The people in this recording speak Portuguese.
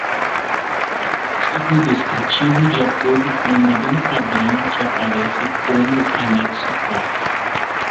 Arquivo descritivo, de acordo com o modelo padrão que aparece como anexo quatro.